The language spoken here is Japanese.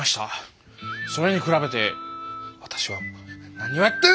それに比べて私は何をやってるんだ！